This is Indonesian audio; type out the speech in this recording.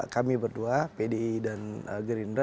kami berdua pdi dan gerindra